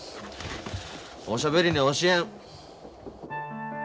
おしゃべりには教えん。